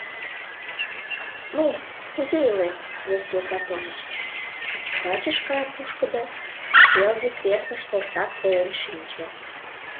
— Ну, кузе илет, Евсей Платоныч? — бачышка пушкыдо, келге креслыш лортак волен шинче.